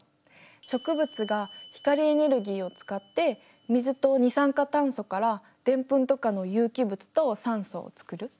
植物が光エネルギーを使って水と二酸化炭素からでんぷんとかの有機物と酸素をつくる。